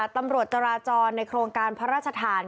ตำรวจจราจรในโครงการพระราชทาน